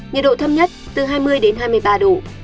nhiệt độ thấp nhất từ hai mươi đến hai mươi ba độ